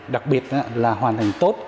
đặc biệt là hoàn thành tốt